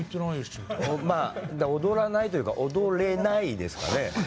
踊らないというか踊れないですかね。